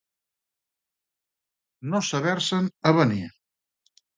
No saber-se'n avenir.